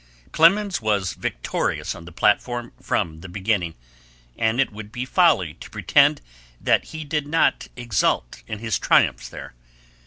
Clemens was victorious on the platform from the beginning, and it would be folly to pretend that he did not exult in his triumphs there.